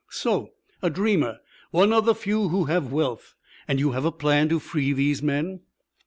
"So. A dreamer. One of the few who have wealth. And you have a plan to free these men?"